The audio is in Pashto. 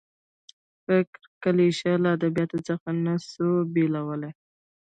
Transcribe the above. فکري کلیشه له ادبیاتو څخه نه سو بېلولای.